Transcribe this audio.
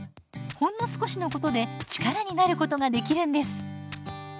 ほんの少しのことで力になることができるんです。